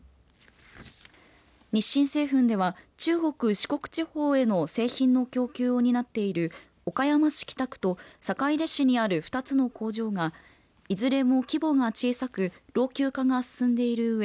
日清製粉では中国、四国地方への製品の供給を担っている岡山市北区と坂出市にある２つの工場がいずれも規模が小さく老朽化が進んでいるうえ